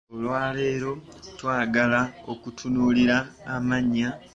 Olwaleero twagala okutunuulira amannya.